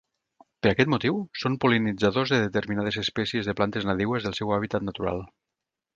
Per aquest motiu, són pol·linitzadors de determinades espècies de plantes nadiues del seu hàbitat natural.